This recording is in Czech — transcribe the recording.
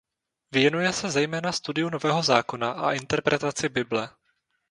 Věnuje se zejména studiu Nového zákona a interpretaci Bible.